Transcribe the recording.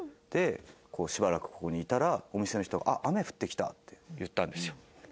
でしばらくここにいたらお店の人が「あっ雨降ってきた」って言ったんですよ。